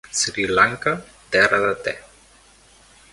Sri Lanka, terra de te.